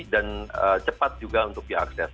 cepat juga untuk diakses